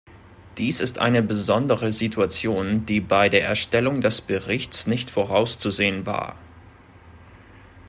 Dies ist eine besondere Situation, die bei der Erstellung des Berichts nicht vorauszusehen war.